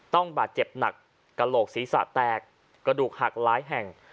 ต้องบาดเจ็บหนักกระโหลกศีรษะแตกกระดูกหักหลายแห่ง